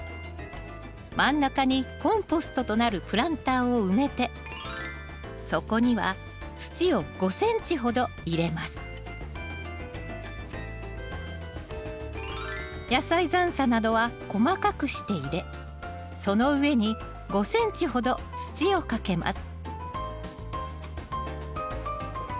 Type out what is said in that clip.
真ん中にコンポストとなるプランターを埋めて野菜残などは細かくして入れその上に５ｃｍほど土をかけます。